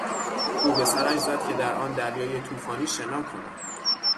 او به سرش زد که در آن دریای طوفانی شنا کند.